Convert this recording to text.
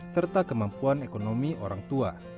serta kemampuan ekonomi orang tua